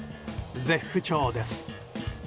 絶不調です。